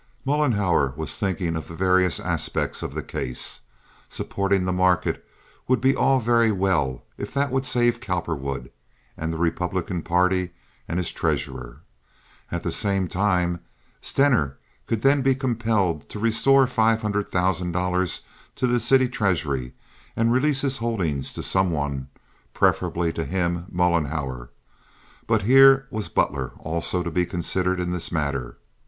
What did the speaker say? Mollenhauer was thinking of the various aspects of the case. Supporting the market would be all very well if that would save Cowperwood, and the Republican party and his treasurer. At the same time Stener could then be compelled to restore the five hundred thousand dollars to the city treasury, and release his holdings to some one—preferably to him—Mollenhauer. But here was Butler also to be considered in this matter.